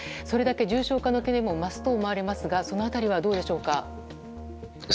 それだけ重症化の懸念も増すと思われますがその辺りはどうですか？